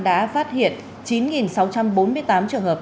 đã phát hiện chín sáu trăm bốn mươi tám trường hợp